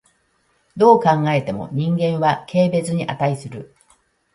どう考えても人間は軽蔑に価する。